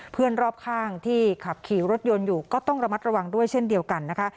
เพื่อนรอบข้างที่ขับขี่รถยนต์อยู่ก็ต้องระมัดระวังด้วยเช่นเดียวกันนะคะ